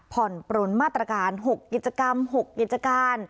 ผ่อนปลนมาตรการ๖กิจกรรม๖กิจการ